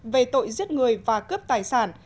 về tội giết người và cướp tài sản